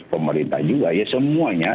pemerintah juga semuanya